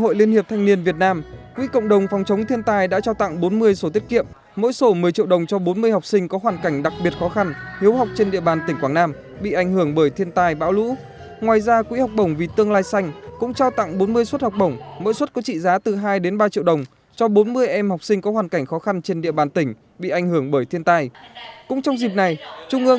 hội liên hiệp thanh niên việt nam tỉnh quảng nam đã tổ chức chương trình cho học bổng vì tương lai xanh cho thanh thiếu nhi có hoàn cảnh khó khăn bị ảnh hưởng bởi lũ lụt trong thời gian vừa qua